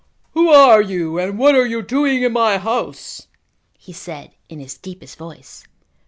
"Who are you and what are you doing in my house?" he said in his deepest voice.